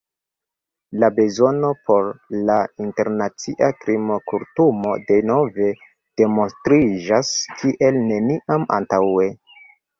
La bezono por la Internacia Krimkortumo denove demonstriĝas kiel neniam antaŭe.